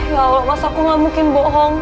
ya allah mas aku gak mungkin bohong